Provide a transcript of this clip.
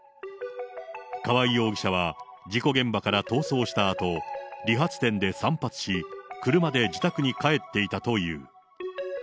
川合容疑者は事故現場から逃走したあと、理髪店で散髪し、車で自宅に帰っていたという。